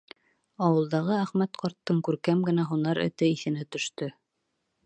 Ауылдағы Әхмәт ҡарттың күркәм генә һунар эте иҫенә төштө.